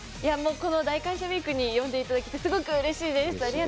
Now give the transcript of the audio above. この大感謝ウィークに呼んでいただいてうれしいです。